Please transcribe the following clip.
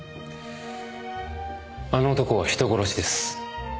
あの男は人殺しです。